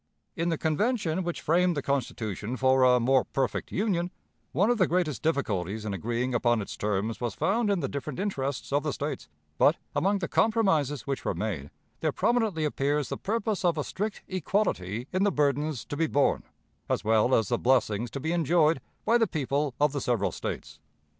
In the Convention which framed the Constitution for a "more perfect Union," one of the greatest difficulties in agreeing upon its terms was found in the different interests of the States, but, among the compromises which were made, there prominently appears the purpose of a strict equality in the burdens to be borne, as well as the blessings to be enjoyed, by the people of the several States.